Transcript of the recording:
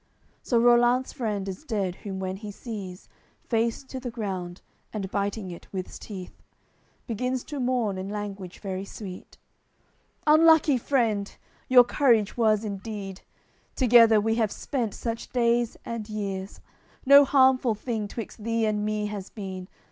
CLI So Rollant's friend is dead whom when he sees Face to the ground, and biting it with's teeth, Begins to mourn in language very sweet: "Unlucky, friend, your courage was indeed! Together we have spent such days and years; No harmful thing twixt thee and me has been.